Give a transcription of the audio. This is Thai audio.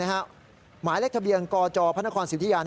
หมายเลขทะเบียนกจพันธครศีริวทิยา